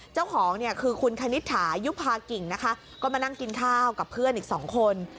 เจ้าของเนี่ยคือคุณคณิตหายุภากิ่งนะคะก็มานั่งกินข้าวกับเพื่อนอีกสองคน